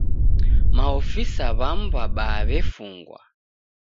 Maofisaa w'amu w'abaa w'efungwa.